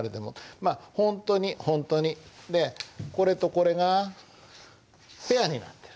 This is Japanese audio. まあ「ほんとに」「ほんとに」でこれとこれがペアになってる。